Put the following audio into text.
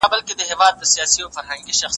ساینس پوهانو د انسان د وینی د حجرو په اړه وویل.